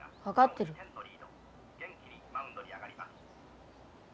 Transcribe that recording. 「元気にマウンドに上がります。